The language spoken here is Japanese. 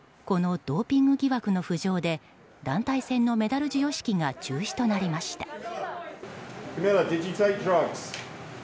このドーピング疑惑の浮上で団体戦のメダル授与式が中止となりました。